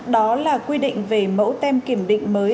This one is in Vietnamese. đó là quy định về mẫu tem kiểm định mới